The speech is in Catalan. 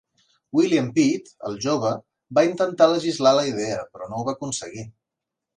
William Pitt "El Jove" va intentar legislar la idea però no ho va aconseguir.